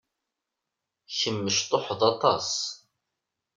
Kemm mecṭuḥed aṭas.